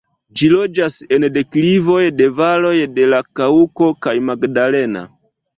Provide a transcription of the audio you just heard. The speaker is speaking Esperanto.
Ĝi loĝas en deklivoj de valoj de la Kaŭko kaj Magdalena.